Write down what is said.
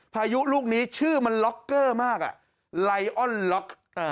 พายุลูกนี้ชื่อมันล็อกเกอร์มากอ่ะไลออนล็อกเอ่อ